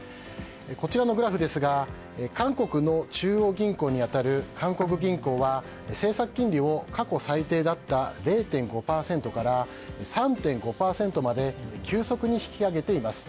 こちらのグラフですが韓国の中央銀行に当たる韓国銀行は、政策金利を過去最低だった０．５％から３．５％まで急速に引き上げています。